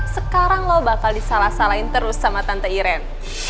sekarang lo bakal disalah salain terus sama tante iren